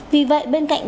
vì vậy bên cạnh